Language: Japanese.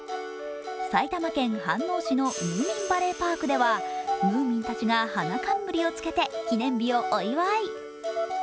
埼玉県飯能市のムーミンバレーパークではムーミンたちが花冠をつけて、記念日をお祝い。